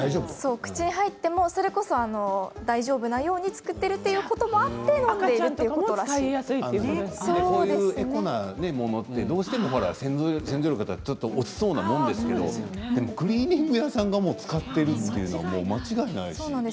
口に入っても大丈夫なように作っているということもあってそういうエコなものでどうしても洗浄力がちょっと落ちそうなもんですけどクリーニング屋さんがもう使っているというのは間違いないし。